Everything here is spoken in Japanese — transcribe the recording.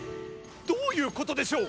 どういうことでしょう？